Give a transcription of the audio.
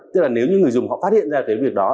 tức là nếu như người dùng họ phát hiện ra cái việc đó